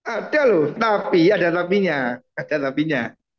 ada loh tapi ada tapi nya